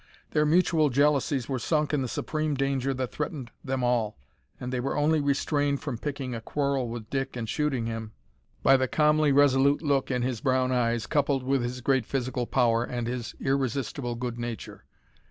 Their mutual jealousies were sunk in the supreme danger that threatened them all, and they were only restrained from picking a quarrel with Dick and shooting him by the calmly resolute look in his brown eyes, coupled with his great physical power and his irresistible good nature.